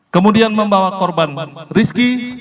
kemudian membawa korban rizky